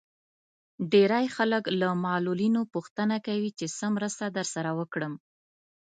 ډېری خلک له معلولينو پوښتنه کوي چې څه مرسته درسره وکړم.